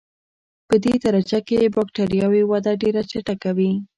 پدې درجه کې د بکټریاوو وده ډېره چټکه وي.